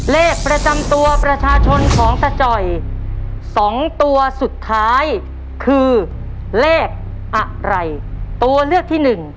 เลขประจำตัวประชาชนของตาจ่อยสองตัวสุดท้ายคือเลขอะไรตัวเลือกที่หนึ่ง